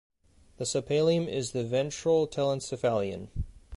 The subpallium is the ventral telencephalon.